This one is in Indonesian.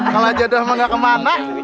kalau jadwal enggak kemana